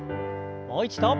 もう一度。